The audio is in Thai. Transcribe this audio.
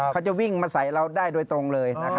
เขาจะวิ่งมาใส่เราได้โดยตรงเลย